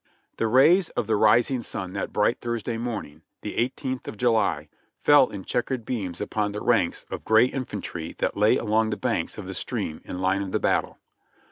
The rays of the rising sun that bright Thursday morning, the 1 8th of July, fell in checkered beams upon the ranks of gray infan try that lay along the banks of the stream in line of battle.